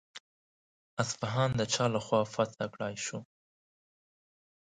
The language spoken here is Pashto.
اصفهان د چا له خوا فتح کړای شو؟